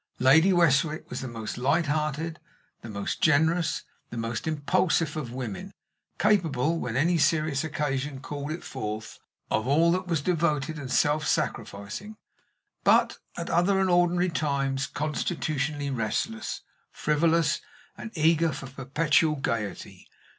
Lady Westwick was the most light hearted, the most generous, the most impulsive of women; capable, when any serious occasion called it forth, of all that was devoted and self sacrificing, but, at other and ordinary times, constitutionally restless, frivolous, and eager for perpetual gayety.